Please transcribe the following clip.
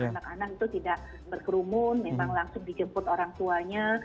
anak anak itu tidak berkerumun memang langsung dijemput orang tuanya